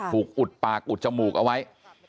อุดปากอุดจมูกเอาไว้